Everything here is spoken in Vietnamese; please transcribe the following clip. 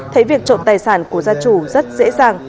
thấy việc trộm tài sản của gia chủ rất dễ dàng